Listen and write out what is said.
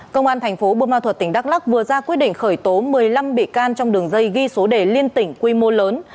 công an thành phố bôn ma thuật tỉnh đắk lắc vừa ra quyết định khởi tố một mươi năm bị can trong đường dây ghi số đề liên tỉnh quy mô lớn